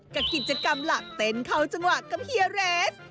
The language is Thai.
กับกิจกรรมหลักเต้นเข้าจังหวะกับเฮียเรส